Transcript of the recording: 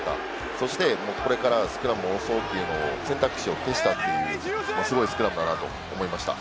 そして、これからスクラムを押そうということに徹した、すごいスクラムだなと思いました。